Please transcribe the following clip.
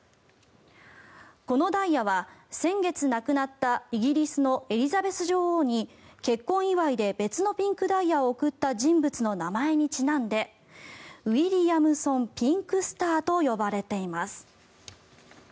このダイヤは、先月亡くなったイギリスのエリザベス女王に結婚祝いで別のピンクダイヤを贈った人物の名前にちなんでウィリアムソン・ピンクスターと呼ばれています。